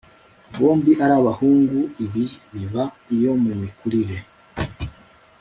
bombi ari abahungu ibi biba iyo mu mikurire